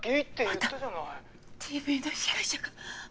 またＤＶの被害者が？